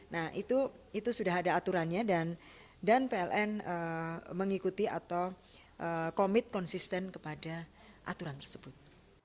nah itu sudah ada aturannya dan pln mengikuti atau komit konsisten kepada aturan tersebut